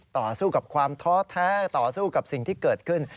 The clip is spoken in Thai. ต่อสู้กับความท้อแท้ต่อสู้กับสิ่งที่เกิดขึ้น